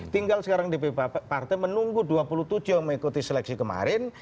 tinggal sekarang dpp partai menunggu dua puluh tujuh mengikuti seleksi kemarin